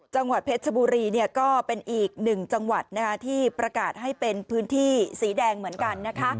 จังหวัดเพชรชบุรีก็เป็นอีกหนึ่งจังหวัดที่ประกาศให้เป็นพื้นที่สีแดงเหมือนกันนะคะ